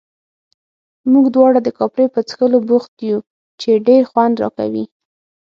موږ دواړه د کاپري په څښلو بوخت یو، چې ډېر خوند راکوي.